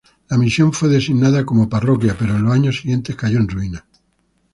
La misión fue designada como parroquia, pero en los años siguientes cayó en ruinas.